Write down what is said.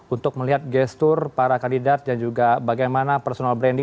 untuk melihat gestur para kandidat dan juga bagaimana personal branding